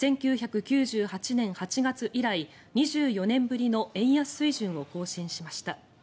１９９８年８月以来２４年ぶりの円安水準を更新しました。